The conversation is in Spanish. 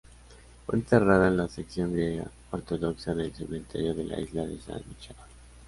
Fue enterrada en la sección griega-ortodoxa del cementerio de la isla de San Michele.